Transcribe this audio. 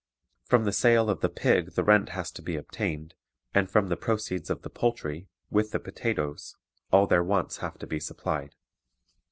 From the sale of the pig the rent has to be obtained, and from the proceeds of the poultry, with the potatoes, all their wants have to be supplied.